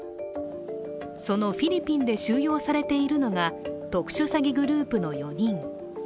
そのフィリピンで収容されているのが特殊詐欺グループの４人。